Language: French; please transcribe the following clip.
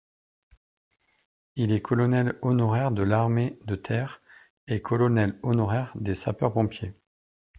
Il est colonel honoraire de l’armée de terre et colonel honoraire de sapeurs-pompiers.